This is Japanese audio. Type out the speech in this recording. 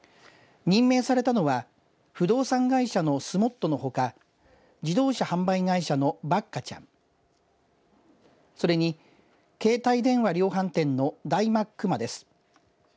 任命されたのは不動産会社のすもっとのほか自動車販売会社のバッカちゃんそれに携帯電話量販店のダイマックマです。